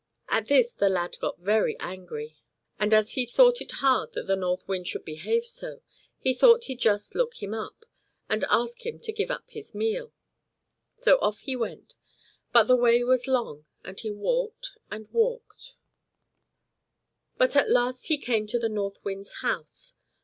At this the lad got very angry; and as he thought it hard that the North Wind should behave so, he thought he'd just look him up, and ask him to give up his meal. So off he went, but the way was long, and he walked and walked; but at last he came to the North Wind's house.